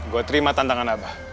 gue terima tantangan abah